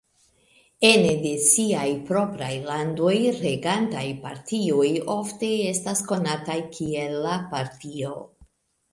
Ene de siaj propraj landoj, regantaj partioj ofte estas konataj kiel "la Partio".